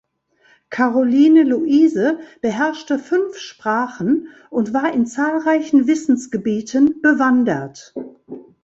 Karoline Luise beherrschte fünf Sprachen und war in zahlreichen Wissensgebieten bewandert.